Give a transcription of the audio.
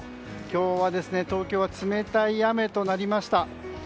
今日、東京は冷たい雨となりました。